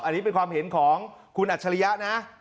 อันนี้เป็นความเห็นของคุณอัจฉริยะนะ